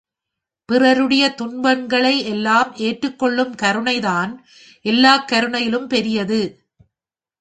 பிறருடைய துன்பங்களை எல்லாம் ஏற்றுக்கொள்ளும் கருணைதான் எல்லாக் கருணையிலும் பெரியது.